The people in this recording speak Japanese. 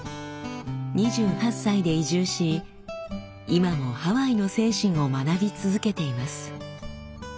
２８歳で移住し今もハワイの精神を学び続けています。